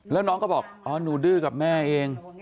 แล้วน้องก็บอกอ๋อหนูดื้อกับแม่เอง